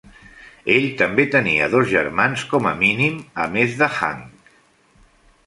Ell també tenia dos germans com a mínim a més d'Hank.